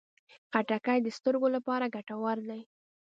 خټکی د سترګو لپاره ګټور دی.